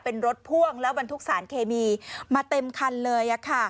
เป็นรถพ่วงแล้วบรรทุกสารเคมีมาเต็มคันเลย